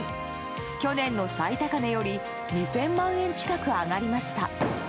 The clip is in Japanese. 去年の最高値より２０００万円近く上がりました。